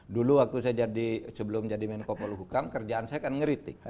dulu waktu saya jadi sebelum jadi menko poluhukam kerjaan saya kan ngeritik